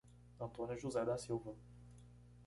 Antônio José da Silva